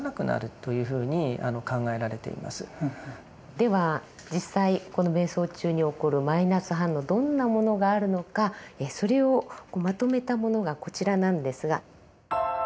では実際この瞑想中に起こるマイナス反応どんなものがあるのかそれをまとめたものがこちらなんですが。